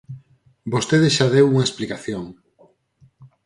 Vostede xa deu unha explicación.